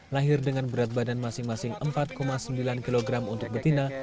lahir dengan berat badan masing masing empat sembilan kg untuk betina